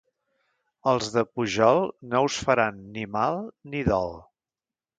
Els de Pujol no us faran ni mal ni dol.